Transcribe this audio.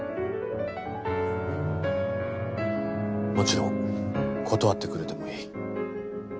もちろん断ってくれてもいい。